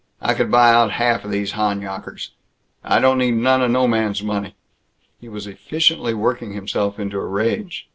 I could buy out half these Honyockers! I don't need none of no man's money!" He was efficiently working himself into a rage.